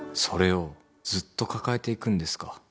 「それをずっと抱えていくんですか？」